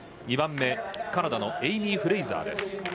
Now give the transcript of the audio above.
２番目、カナダのエイミー・フレイザー。